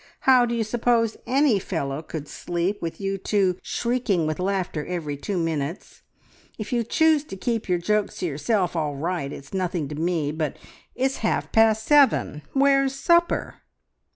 How d'you suppose any fellow could sleep, with you two shrieking with laughter every two minutes! If you choose to keep your jokes to yourself, all right, it's nothing to me; but it's half past seven. ... Where's supper?"